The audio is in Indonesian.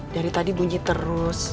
dari tadi bunyi terus